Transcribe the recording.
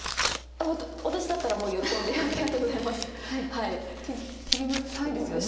私だったらもう喜んで「ありがとうございます」。切りたいですよね。